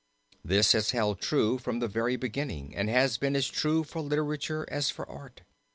This has held true from the very beginning and has been as true for literature as for art.